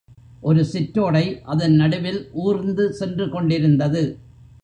ஒரு சிற்றோடை அதன் நடுவில் ஊர்ந்து சென்று கொண்டிருந்தது.